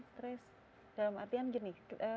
stres dalam artian gini